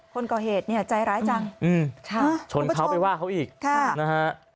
คนก่อเหตุเนี่ยใจร้ายจังชนเขาไปว่าเขาอีกค่ะนะฮะ